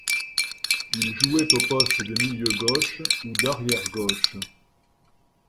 Il jouait au poste de milieu gauche ou d'arrière gauche.